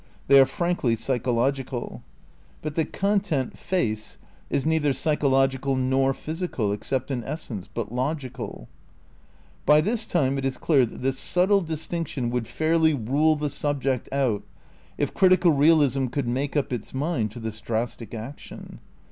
They are frankly psychological. But the content, face, is nei ther psychological nor physical (except in essence) but logical.* By this time it is clear that this subtle distinction would fairly rule the subject out, if critical realism could make up its mind to this drastic action.